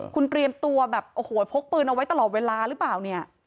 คุณเตรียมตัวแบบโอ้โหพกปืนเอาไว้ตลอดเวลาหรือเปล่าเนี่ย